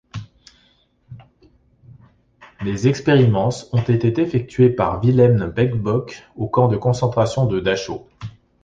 Les expérimences ont été effectuées par Wilhelm Beiglböck au camp de concentration de Dachau.